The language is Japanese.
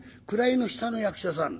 位の下の役者さん。